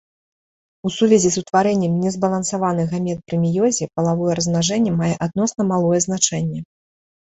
У сувязі з утварэннем незбалансаваных гамет пры меёзе, палавое размнажэнне мае адносна малое значэнне.